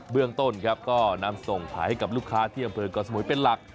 เรื่องต้นครับก็นำส่งขายให้กับลูกค้าที่อำเภอก่อสมุยเป็นหลัก